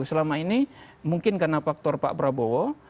selama ini mungkin karena faktor pak prabowo